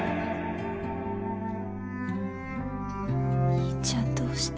兄ちゃんどうして？